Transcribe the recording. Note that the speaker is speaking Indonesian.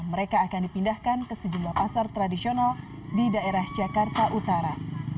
mereka akan dipindahkan ke sejumlah pasar tradisional di daerah jakarta utara